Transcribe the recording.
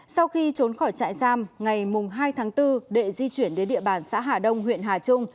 sau khi trốn khỏi trại giam ngày hai tháng bốn đệ di chuyển đến địa bàn xã hà đông huyện hà trung